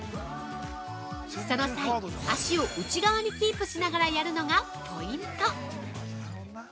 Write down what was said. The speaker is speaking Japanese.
その際、足を内側にキープしながらやるのがポイント！